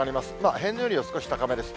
平年よりは少し高めです。